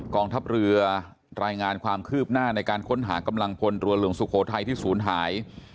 กองทัพเรือรายงานความคืบหน้าในการค้นหากำลังพลเรือหลวงสุโขทัยที่ศูนย์หาย